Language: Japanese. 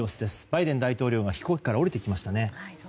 バイデン大統領が飛行機から降りてきましたね。